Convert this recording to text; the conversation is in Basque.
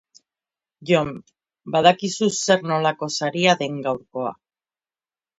Jon, badakizu zer-nolako saria den gaurkoa.